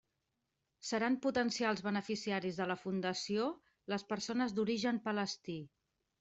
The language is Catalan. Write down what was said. Seran potencials beneficiaris de la Fundació les persones d'origen palestí.